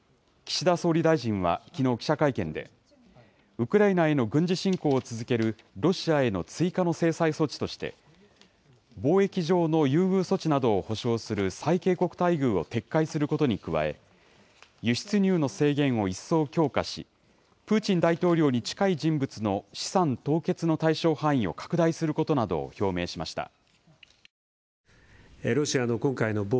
岸田総理大臣はきのう記者会見でウクライナへの軍事侵攻を続けるロシアへの追加の制裁措置として貿易上の優遇措置などを保障する最恵国待遇を撤回することに加え輸出入の制限を一層強化しプーチン大統領に近い人物の資産凍結の対象範囲を拡大することなどを表明しました。